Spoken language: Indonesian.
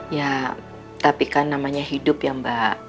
ya tapi kan namanya hidup ya mbak